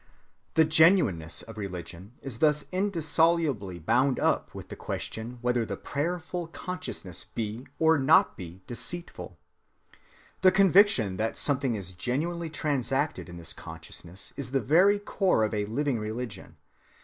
The genuineness of religion is thus indissolubly bound up with the question whether the prayerful consciousness be or be not deceitful. The conviction that something is genuinely transacted in this consciousness is the very core of living religion.